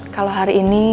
kalau hari ini